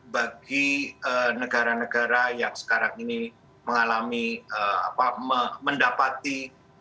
bagi negara negara yang sekarang ini mengalami mendapati